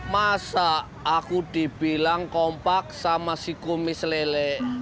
masa aku dibilang kompak sama si kumis lele